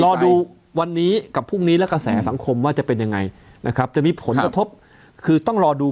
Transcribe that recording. รอดูวันนี้กับพรุ่งนี้และกระแสสังคมว่าจะเป็นยังไงนะครับจะมีผลกระทบคือต้องรอดู